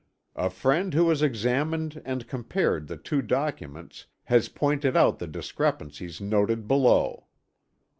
"A friend who has examined and compared the two documents has pointed out the discrepancies noted below."